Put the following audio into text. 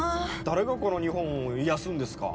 誰がこの日本を癒やすんですか？